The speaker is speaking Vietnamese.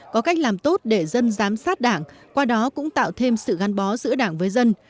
có cách làm tốt để dân giám sát đảng qua đó cũng tạo thêm sự gắn bó giữa đảng với dân